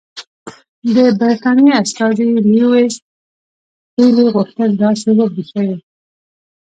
د برټانیې استازي لیویس پیلي غوښتل داسې وبرېښوي.